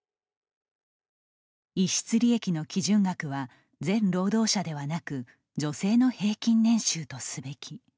逸失利益の基準額は全労働者ではなく女性の平均年収とすべき。